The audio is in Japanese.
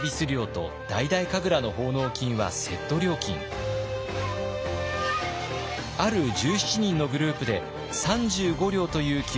ある１７人のグループで３５両という記録があります。